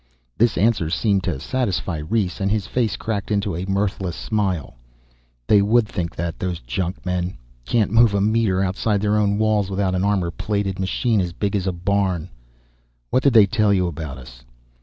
This answer seemed to satisfy Rhes and his face cracked into a mirthless smile. "They would think that, those junkmen. Can't move a meter outside their own walls without an armor plated machine as big as a barn. What did they tell you about us?"